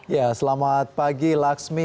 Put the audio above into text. ya selamat pagi laxmi